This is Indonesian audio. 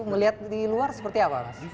melihat di luar seperti apa mas